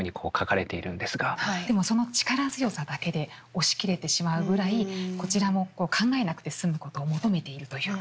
でもその力強さだけで押し切れてしまうぐらいこちらも考えなくて済むことを求めているというか。